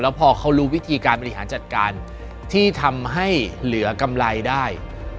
พอเขารู้วิธีการบริหารจัดการที่ทำให้เหลือกำไรได้